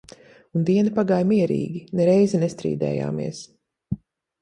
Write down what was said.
Un diena pagāja mierīgi, ne reizi nestrīdējāmies.